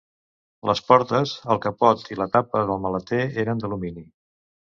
Les portes, el capot i la tapa del maleter eren d'alumini.